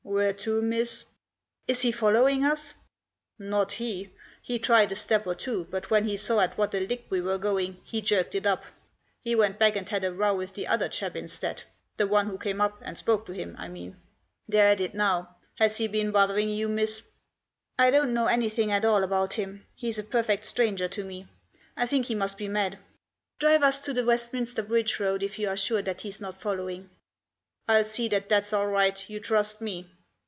"Where to, miss?" " Is he following us ?"" Not he. He tried a step or two, but when he saw at what a lick we were going he jerked it up. He went back and had a row with the other chap instead, the one who came up and spoke to him I mean. They're at it now. Has he been bothering you, miss ?"" I don't know anything at all about him. He's a perfect stranger to me. I think he must be mad. Drive us to the Westminster Bridge Road, if you are sure that he's not following." "I'll see that that's all right, you trust me."